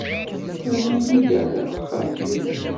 Terra-iyi-d ar texxamt-iw.